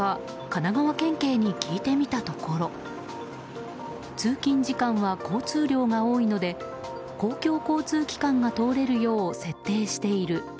神奈川県警に聞いてみたところ通勤時間は交通量が多いので公共交通機関が通れるよう設定している。